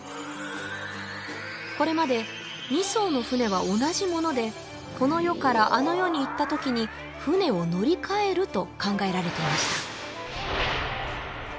これまで２艘の船は同じものでこの世からあの世にいった時に船を乗りかえると考えられていました